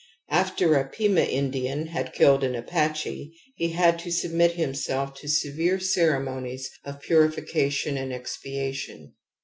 After a Pima Indian had killed an Apache he ' had to submit himself to severe ceremonies of purification and expiation.